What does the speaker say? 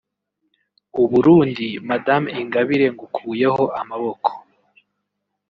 u Burundi Madame Ingabire ngukuyeho amaboko